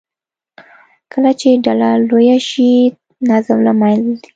کله چې ډله لویه شي، نظم له منځه ځي.